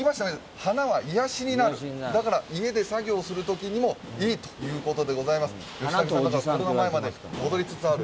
だから家で作業するときにも、いいということでございます。